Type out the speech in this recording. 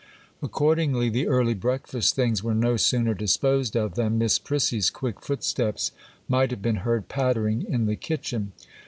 Accordingly, the early breakfast things were no sooner disposed of than Miss Prissy's quick footsteps might have been heard pattering in the kitchen.